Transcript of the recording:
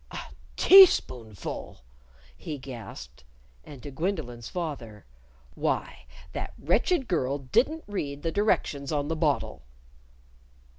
"A teaspoonful!" he gasped. And to Gwendolyn's father, "Why, that wretched girl didn't read the directions on the bottle!"